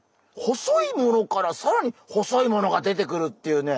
細いものからさらに細いものが出てくるっていうね